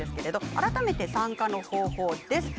改めて参加の方法です。